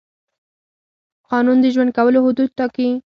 قانون د ژوند کولو حدود ټاکي.